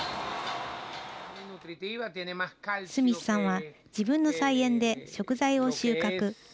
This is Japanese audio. スミスさんは自分の菜園で食材を収穫。